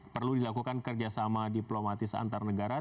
perlu dilakukan kerjasama diplomatis antar negara